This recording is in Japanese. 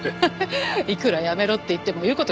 いくらやめろって言っても言う事聞かなくて。